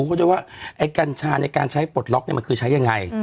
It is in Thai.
ก็จะว่าไอ้กัญชาในการใช้ปลดล็อกมันคือใช้ยังไง